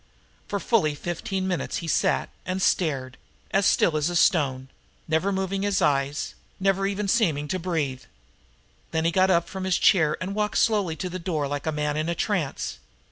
For fully fifteen minutes he sat and stared, as still as stone, never moving his eyes, never even seeming to breathe. Then he got up from his chair and walked slowly to the door like a man in a trance.